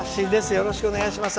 よろしくお願いします。